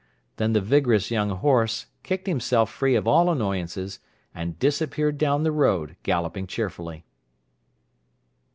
Then the vigorous young horse kicked himself free of all annoyances, and disappeared down the road, galloping cheerfully.